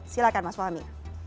silahkan mas fahmi